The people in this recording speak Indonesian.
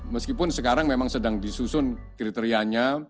meskipun sekarang memang sedang disusun kriterianya